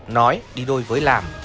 nói đi đôi với làm